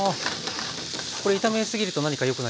これ炒めすぎると何か良くないことが？